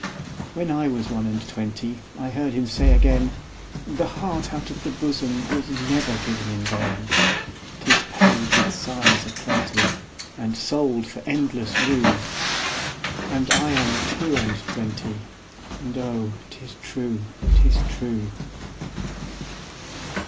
When I was one and twentyI heard him say again,'The heart out of the bosomWas never given in vain;'Tis paid with sighs a plentyAnd sold for endless rue.'And I am two and twenty, And oh, 'tis true, 'tis true.